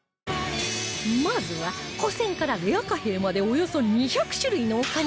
まずは古銭からレア貨幣までおよそ２００種類のお金をコレクション